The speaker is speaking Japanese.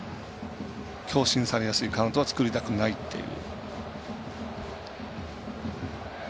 強振されやすいカウントは作りたくないっていう。